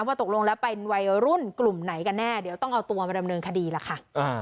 ตกลงแล้วเป็นวัยรุ่นกลุ่มไหนกันแน่เดี๋ยวต้องเอาตัวมาดำเนินคดีล่ะค่ะ